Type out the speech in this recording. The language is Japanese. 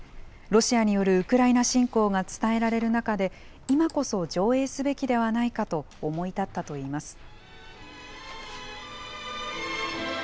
ロシアによるウクライナ侵攻が伝えられる中で、今こそ上映すべきではないかと思い立ったといいます。